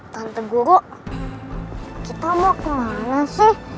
tante guru kita mau kemana sih